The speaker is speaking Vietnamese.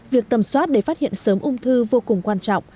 việc tầm soát để phát hiện sớm ung thư vô cùng quan trọng